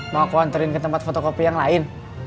mau aku anterin ke tempat fotokopi yang lain